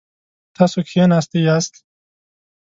تاسو کښیناستی یاست؟